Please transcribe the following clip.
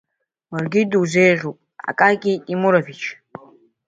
Уаргьы дузеиӷьуп, Акаки Ҭемурович.